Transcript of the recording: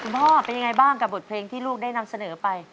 พ่อเป็นยังไงบ้างกับบทเพลงที่ลูกได้นำเสนอไป